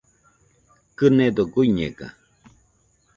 Kɨnedo guiñega